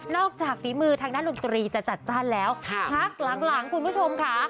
จากฝีมือทางด้านดนตรีจะจัดจ้านแล้วพักหลังคุณผู้ชมค่ะ